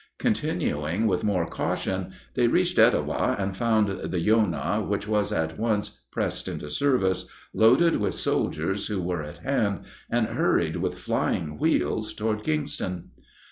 Continuing with more caution, they reached Etowah and found the "Yonah," which was at once pressed into service, loaded with soldiers who were at hand, and hurried with flying wheels toward Kingston.